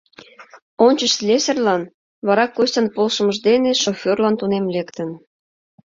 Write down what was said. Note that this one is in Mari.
Ончыч слесарьлан, вара Костян полшымыж дене шофёрлан тунем лектын.